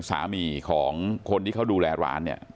สามีของคนที่เขาดูแลร้านเนี่ย